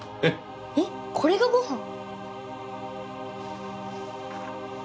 えっこれがごはん？